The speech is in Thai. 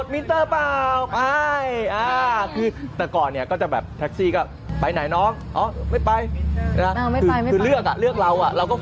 มิตเตอร์หรือเปล่า